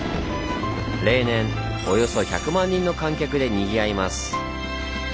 例年およそ１００万人の観客でにぎわいます。